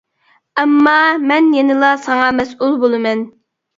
ئەمما مەن يەنىلا ساڭا مەسئۇل بولىمەن.